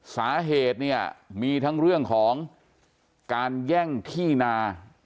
สาเหตุเนี่ยมีทั้งเรื่องของการแย่งที่นา